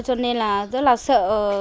cho nên là rất là sợ